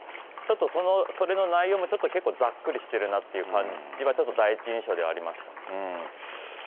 ちょっとそれの内容も結構、ざっくりしてるなっていう感じはちょっと第一印象ではありました。